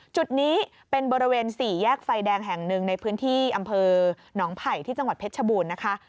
จุดนี้เป็นบริเวณสี่แยกไฟแดงแห่งหนึ่งในพื้นที่อำเภอหนองไผ่ที่จังหวัดเพชรชบูรณ์นะคะ